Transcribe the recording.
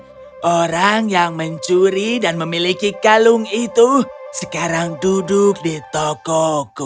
tapi orang yang mencuri dan memiliki kalung itu sekarang duduk di tokoku